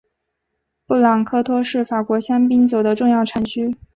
布朗科托是法国香槟酒的重要产区。